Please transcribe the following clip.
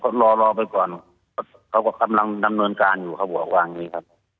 ก็รอไปก่อนเขาก็กำลังดำเนินการอยู่ข้างนี้ครับ